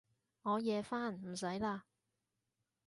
我夜返，唔使喇